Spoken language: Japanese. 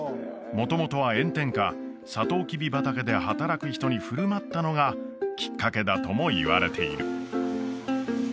元々は炎天下サトウキビ畑で働く人に振る舞ったのがきっかけだともいわれている